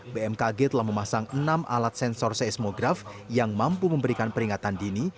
bmkg telah memasang enam alat sensor seismograf yang mampu memberikan peringatan dini